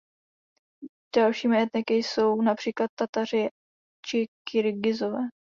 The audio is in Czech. Dalšími etniky jsou například Tataři či Kyrgyzové.